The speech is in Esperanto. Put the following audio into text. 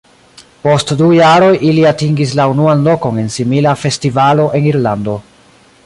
Post du jaroj ili atingis la unuan lokon en simila festivalo en Irlando.